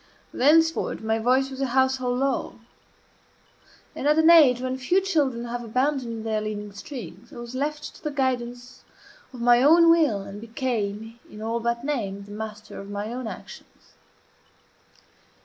Thenceforward my voice was a household law; and at an age when few children have abandoned their leading strings I was left to the guidance of my own will, and became, in all but name, the master of my own actions.